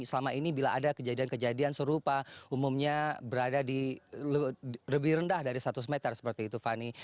selama ini bila ada kejadian kejadian serupa umumnya berada di lebih rendah dari seratus meter seperti itu fani